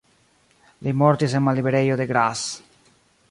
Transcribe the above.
Li mortis en malliberejo de Graz.